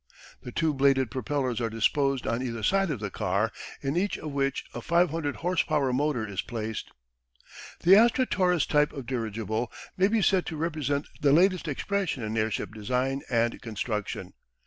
The two bladed propellers are disposed on either side of the car, in each of which a 500 horse power motor is placed. The Astra Torres type of dirigible may be said to represent the latest expression in airship design and construction.